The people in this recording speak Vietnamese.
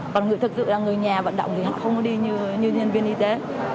còn thực sự là người nhà vận động thì họ không đi như nhân viên y tế